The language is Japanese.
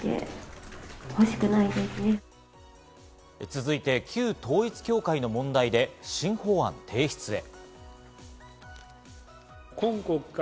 続いて、旧統一教会の問題で新法案提出へ。